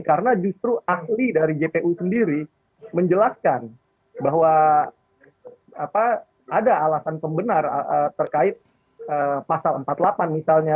karena justru ahli dari jpu sendiri menjelaskan bahwa ada alasan pembenar terkait pasal empat puluh delapan misalnya